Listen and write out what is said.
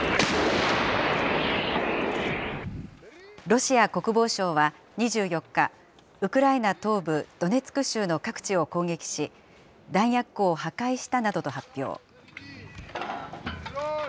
ロシア国防省は２４日、ウクライナ東部ドネツク州の各地を攻撃し、弾薬庫を破壊したなどと発表。